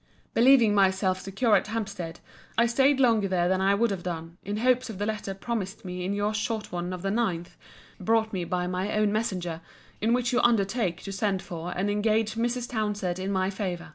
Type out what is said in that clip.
Believing myself secure at Hampstead, I staid longer there than I would have done, in hopes of the letter promised me in your short one of the 9th, brought me by my own messenger, in which you undertake to send for and engage Mrs. Townsend in my favour.